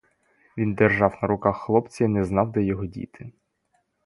Він держав на руках хлопця й не знав, де його діти.